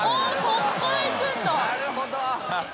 なるほど！